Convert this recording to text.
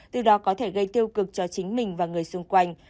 từ đó có thể gây tiêu cực cho chính mình và người xung quanh